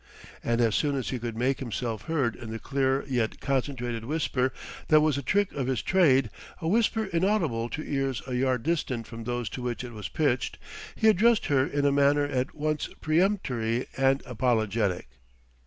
And as soon as he could make himself heard in the clear yet concentrated whisper that was a trick of his trade, a whisper inaudible to ears a yard distant from those to which it was pitched, he addressed her in a manner at once peremptory and apologetic.